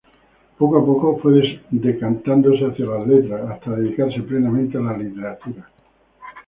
Poco a poco fue decantándose hacia las letras hasta dedicarse, plenamente, a la Literatura.